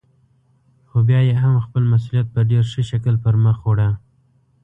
خو بيا يې هم خپل مسئوليت په ډېر ښه شکل پرمخ وړه.